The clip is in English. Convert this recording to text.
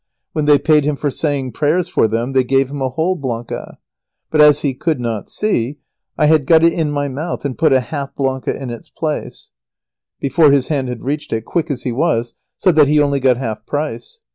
When they paid him for saying prayers for them, they gave him a whole "blanca." But as he could not see, I had got it in my mouth, and put a half blanca in its place, before his hand had reached it, quick as he was, so that he only got half price.